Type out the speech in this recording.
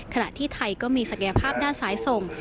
ขณะที่ไทยก็มีศักยภาพด้านซ้ายส่ง